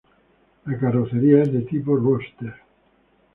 La carrocería es de tipo roadster.